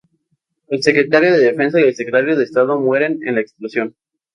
El Secretario de Defensa y el Secretario de Estado mueren en la explosión.